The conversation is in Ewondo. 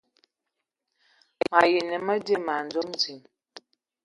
Mayi nə madi man dzom ziŋ.